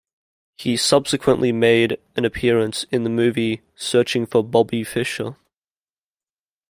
He subsequently made an appearance in the movie "Searching for Bobby Fischer".